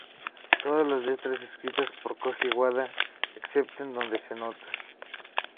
Todas las letras escritas por Kōji Wada, excepto en donde se nota.